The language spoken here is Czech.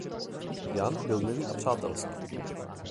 Jan byl milý a přátelský.